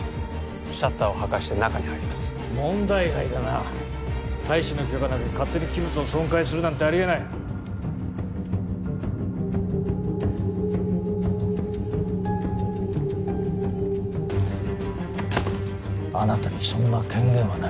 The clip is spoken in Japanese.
シャッターを破壊して中に入ります問題外だな大使の許可なく勝手に器物を損壊するなんてありえないあなたにそんな権限はない